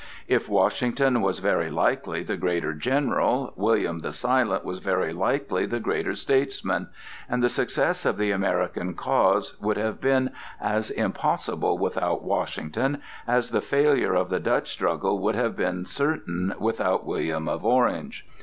If Washington was very likely the greater general, William the Silent was very likely the greater statesman, and the success of the American cause would have been as impossible without Washington as the failure of the Dutch struggle would have been certain without William of Orange.